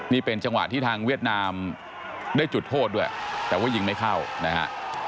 นี่เป็นจังหวะที่ทางเวียดนามได้จุดโทษด้วยแต่ว่ายิงไม่เข้านะฮะ